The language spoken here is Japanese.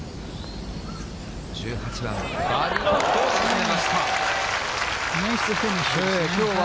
１８番、バーディーパットを沈めました。